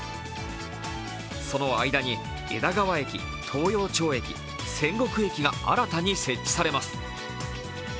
その間に枝川駅、東陽町駅、千石駅が新たに設置されます。